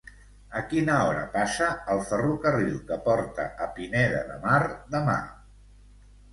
A quina hora passa el ferrocarril que porta a Pineda de Mar demà?